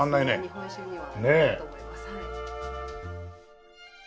日本酒には合うと思います。